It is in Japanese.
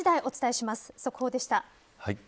お伝えします。